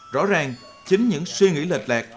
rõ ràng chính những suy nghĩ lệch lẹt